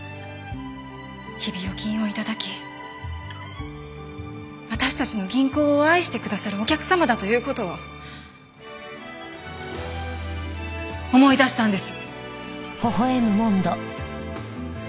日々預金を頂き私たちの銀行を愛してくださるお客様だという事を思い出したんです。